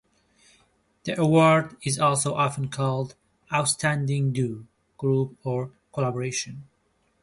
The award is also often called Outstanding Duo, Group, or Collaboration.